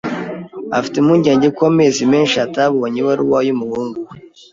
Afite impungenge kuko amezi menshi atabonye ibaruwa yumuhungu we.